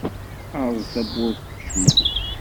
Erẓ tawwurt tkecmeḍ.